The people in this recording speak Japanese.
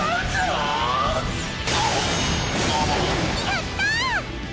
やった！